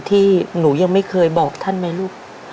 ที่หนูยังไม่เคยบอกท่านไหมลูก